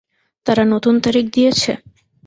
তারা নতুন তারিখ দিয়েছে?